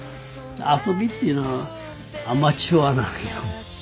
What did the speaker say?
遊びっていうのはアマチュアなんよ。